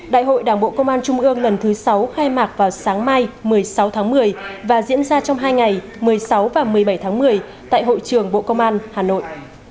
đại hội đảng bộ công an trung ương lần thứ sáu khai mạc vào sáng mai một mươi sáu tháng một mươi và diễn ra trong hai ngày một mươi sáu và một mươi bảy tháng một mươi tại hội trường bộ công an hà nội